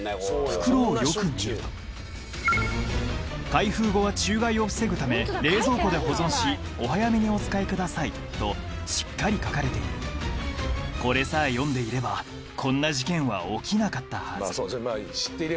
袋をよく見ると「開封後は虫害を防ぐため冷蔵庫で保存しお早めにお使いください」としっかり書かれているこれさえ読んでいればこんな事件は起きなかったはずそうですね